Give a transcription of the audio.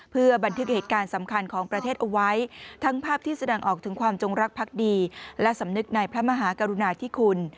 เพื่อบันทึกเหตุการณ์สำคัญของประเทศเอาไว้ทั้งภาพที่แสดงออกถึงความจงรักพักดีและสำนึกในพระมหากรุณาธิคุณ